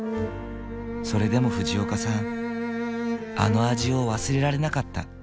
それでも藤岡さんあの味を忘れられなかった。